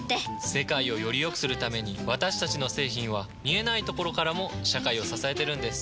世界をよりよくするために私たちの製品は見えないところからも社会を支えてるんです。